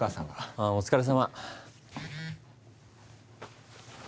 あぁお疲れさま。